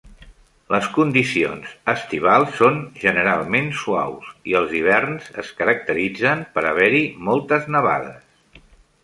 Les condicions estivals són generalment suaus i els hiverns es caracteritzen per haver-hi moltes nevades.